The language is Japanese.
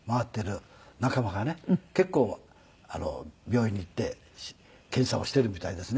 結構病院に行って検査をしているみたいですね。